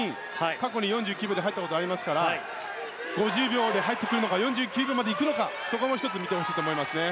過去に４９秒で入ったことありますから５０秒で入ってくるのか４９秒でいくのかそこも１つ見てほしいと思います。